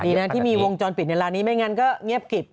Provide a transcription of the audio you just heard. ดีนะที่มีวงจรปิดในร้านนี้ไม่งั้นก็เงียบกิบ